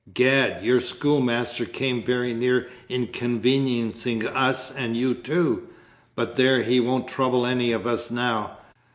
Gad, your schoolmaster came very near inconveniencing us and you too. But there, he won't trouble any of us now.